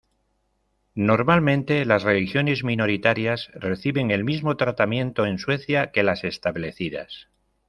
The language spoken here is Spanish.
Normalmente las religiones minoritarias reciben el mismo tratamiento en Suecia que las establecidas.